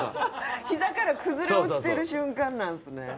ひざから崩れ落ちてる瞬間なんですね。